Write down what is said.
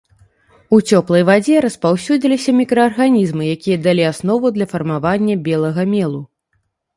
У цёплай вадзе распаўсюдзіліся мікраарганізмы, якія далі аснову для фармавання белага мелу.